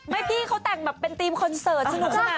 ไม่พี่เขาแต่งแบบเป็นทีมคอนเสิร์ตสนุกสมาธิมาก